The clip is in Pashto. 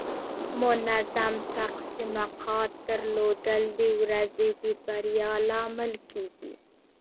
منظم تقسیم اوقات درلودل د ورځې د بریا لامل کیږي.